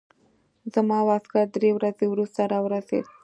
زما واسکټ درې ورځې وروسته راورسېد.